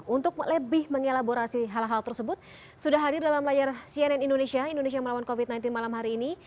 untuk lebih mengelaborasi hal hal tersebut sudah hadir dalam layar cnn indonesia indonesia melawan covid sembilan belas malam hari ini